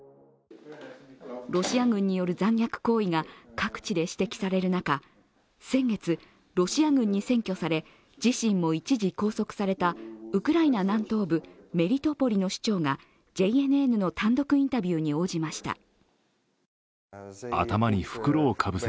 ロシア軍による残虐行為が各地で指摘される中、先月、ロシア軍に占拠され、自身も一時拘束されたウクライナ南東部、メリトポリの市長がＪＮＮの単独インタビューに応じました。